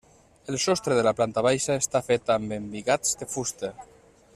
El sostre de la planta baixa està fet amb embigats de fusta.